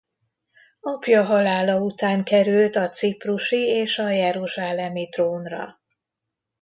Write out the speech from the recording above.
Apja halála után került a ciprusi és a jeruzsálemi trónra.